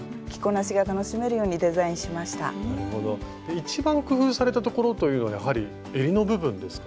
一番工夫されたところというのはやはりえりの部分ですか？